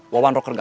wawan rocker gagal